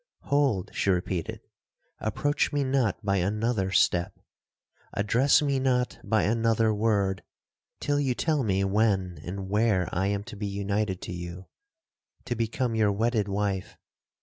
'Hold!' she repeated—'approach me not by another step,—address me not by another word,—till you tell me when and where I am to be united to you,—to become your wedded wife!